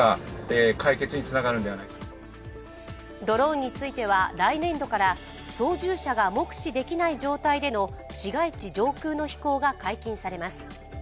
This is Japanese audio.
ドローンについては来年度から操縦者が目視できない状態での市街地上空の飛行が解禁されます。